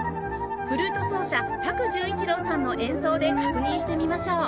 フルート奏者多久潤一朗さんの演奏で確認してみましょう